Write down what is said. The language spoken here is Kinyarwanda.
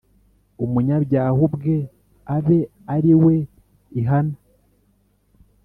Umunyabyaha ubwe abe ari we ihana.